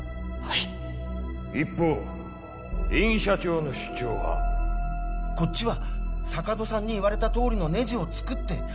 はい一方江木社長の主張はこっちは坂戸さんに言われたとおりのネジを作って